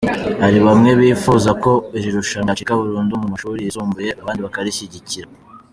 Hari bamwe bifuza ko iri rushanwa ryacika burundu mu mashuri yisumbuye, abandi bakarishyigikira.